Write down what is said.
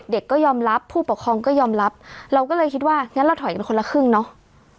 เด็กก็ยอมรับผู้ปกครองก็ยอมรับเราก็เลยคิดว่างั้นเราถอยกันคนละครึ่งเนาะ